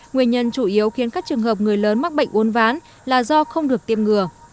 nguyên nhân chủ yếu khiến các trường hợp người lớn mắc bệnh uốn ván là do không được tiêm ngừa